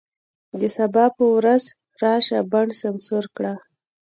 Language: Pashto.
د سبا په وزر راشه، بڼ سمسور کړه